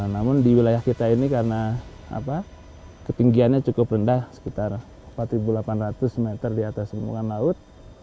namun di wilayah kita ini karena ketinggiannya cukup rendah sekitar empat delapan ratus meter di atas permukaan laut